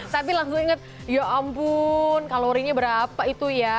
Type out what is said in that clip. tapi langsung inget ya ampun kalorinya berapa itu ya